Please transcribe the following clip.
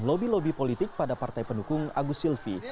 lobby lobby politik pada partai pendukung agus silvi